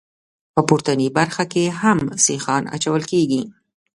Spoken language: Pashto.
په پورتنۍ برخه کې هم سیخان اچول کیږي